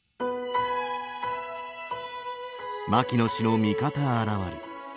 「牧野氏の味方現る。